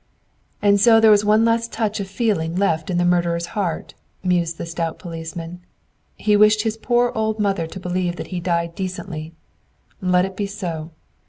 "And so there was one last touch of feeling left in the murderer's heart," mused the stout policeman. "He wished his poor old mother to believe that he died decently. Let it be so!